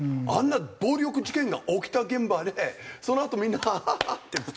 あんな暴力事件が起きた現場でそのあとみんなハハハ！って